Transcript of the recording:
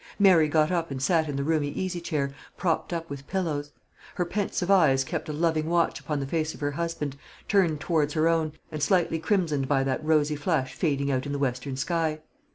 Mary got up and sat in the roomy easy chair, propped up with pillows. Her pensive eyes kept a loving watch upon the face of her husband, turned towards her own, and slightly crimsoned by that rosy flush fading out in the western sky.